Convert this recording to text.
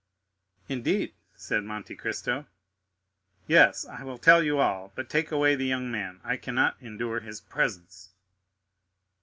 "Indeed?" said Monte Cristo. "Yes, I will tell you all; but take away the young man; I cannot endure his presence."